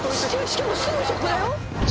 しかもすぐそこだよ